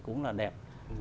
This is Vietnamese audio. cũng là đẹp